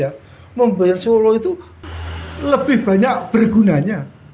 yang memerintahkan sholoh itu lebih banyak bergunanya